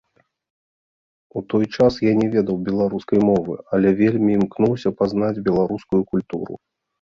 У той час я не ведаў беларускай мовы, але вельмі імкнуўся пазнаць беларускую культуру.